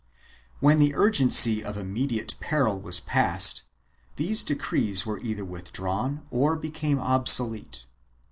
1 When the urgency of immediate peril was passed these decrees were either withdrawn or became obsolete.